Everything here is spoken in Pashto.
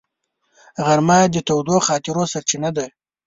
غرمه د تودو خاطرو سرچینه ده